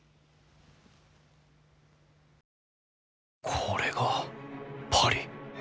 これがパリ！